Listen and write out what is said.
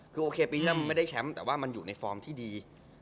คือโอเคปีเริ่มไม่ได้แชมป์แต่ว่ามันอยู่ในฟอร์มที่ดี